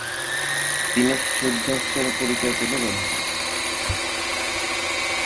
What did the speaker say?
তিনি সিদ্ধহস্তের পরিচয় তুলে ধরেছেন।